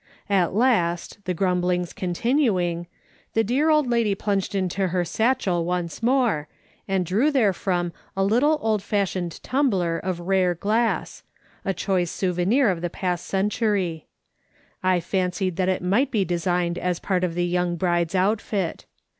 At last — the grumblings continuing 74 MRS. SOLOMON SMITH LOOKING ON. — the clear old lady plunged into her satchel once juuiL', and drew tlieiefrom a little old fashioned tumbler of rare glass — a choice souvenir of the past century. I fancied that it might be designed as part of the ymmg bride's outfit.